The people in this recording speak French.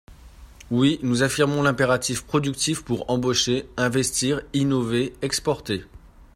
Oui, nous affirmons l’impératif productif pour embaucher, investir, innover, exporter.